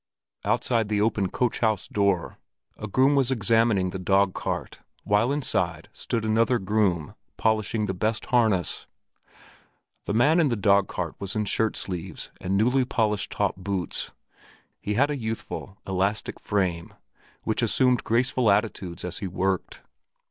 Outside the open coach house door, a groom was examining the dog cart, while inside stood another groom, polishing the best harness. The man at the dog cart was in shirt sleeves and newly polished top boots; he had a youthful, elastic frame, which assumed graceful attitudes as he worked.